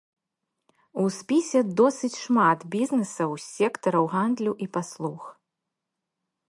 У спісе досыць шмат бізнесаў з сектараў гандлю і паслуг.